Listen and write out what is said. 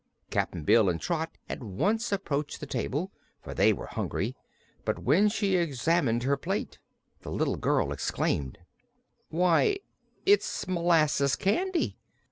Cap'n Bill and Trot at once approached the table, for they were hungry, but when she examined her plate the little girl exclaimed: "Why, it's molasses candy!"